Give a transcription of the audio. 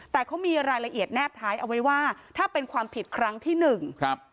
แต่เขามีรายละเอียดแนบท้ายเอาไว้ว่าถ้าเป็นความผิดครั้งที่หนึ่งครับ